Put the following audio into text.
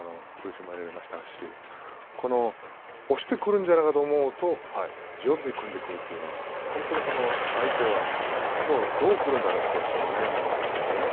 ずいぶん苦しめられましたし押してくるんじゃないかと思うと四つで組んでくるというのは本当に相手は、きょう、どう来るんだろうと悩むんですよね。